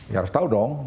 ya harus tahu dong